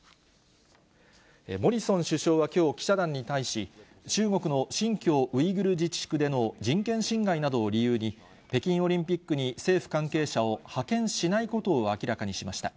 モリソン首相はきょう、記者団に対し、中国の新疆ウイグル自治区での人権侵害などを理由に、北京オリンピックに政府関係者を派遣しないことを明らかにしました。